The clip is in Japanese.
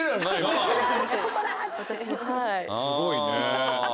すごいね。